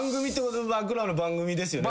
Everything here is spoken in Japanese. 僕らの番組ですよね。